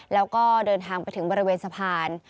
แล้วก็เดินทางไปถึงบริเวณสะพาน